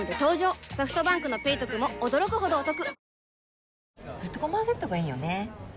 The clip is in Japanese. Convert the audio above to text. ソフトバンクの「ペイトク」も驚くほどおトク